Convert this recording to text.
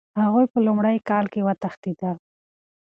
هغوی په لومړي کال کې وتښتېدل.